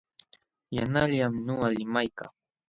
Yanqallam nuqa limaykaa.